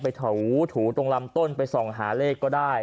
ถูตรงลำต้นไปส่องหาเลขก็ได้